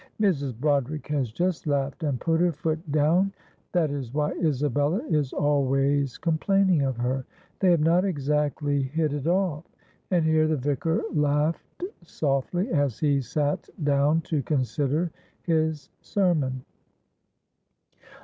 "Mrs. Broderick has just laughed and put her foot down, that is why Isabella is always complaining of her. They have not exactly hit it off." And here the Vicar laughed softly as he sat down to consider his sermon.